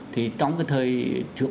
thì trong cái thời trưởng